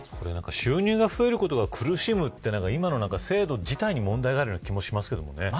収入が増えることで苦しむのは今の制度自体に問題がある気がします。